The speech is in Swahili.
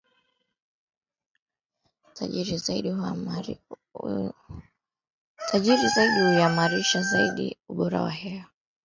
tajiri zaidi yameimarisha sana ubora wa hewa yao katika miongo ya hivi karibuni